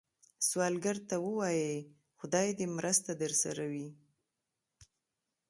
سوالګر ته ووايئ “خدای دې مرسته درسره وي”